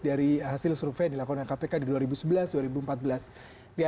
dari hasil survei yang dilakukan oleh kpk di dua ribu sebelas dua ribu empat belas